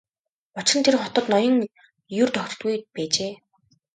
Учир нь тэр хотод ноён ер тогтдоггүй байжээ.